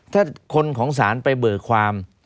ถ้าคนของศาลไปเบิกความ